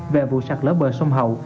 về vụ sạt lỡ bờ sông hậu